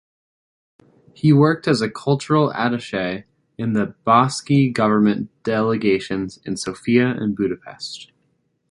He worked as a cultural attaché in the Basque Government Delegations in Sofia and Budapest.